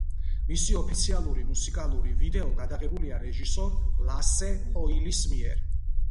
მისი ოფიციალური მუსიკალური ვიდეო გადაღებულია რეჟისორ ლასე ჰოილის მიერ.